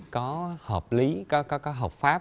có hợp lý có hợp pháp